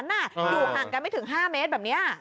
อยู่ห่างกันไม่ถึง๕เมตรแบบนี้